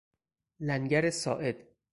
لنگر ساعد